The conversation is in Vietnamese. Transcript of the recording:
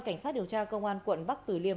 cảnh sát điều tra công an quận bắc tử liêm